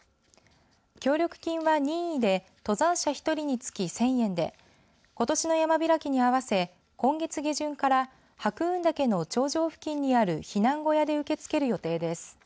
協力金は任意で登山者１人につき１０００円でことしの山開きに合わせ今月下旬から白雲岳の頂上付近にある避難小屋で受け付ける予定です。